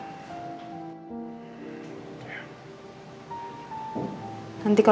kamu harus jaga kesehatan kamu